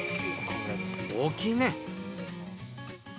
大きいね。